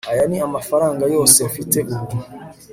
aya ni amafaranga yose mfite ubu